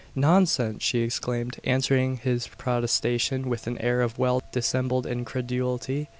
"Nonsense!" she exclaimed, answering his protestation with an air of well dissembled incredulity.